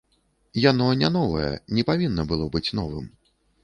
Яно не новае, не павінна было быць новым.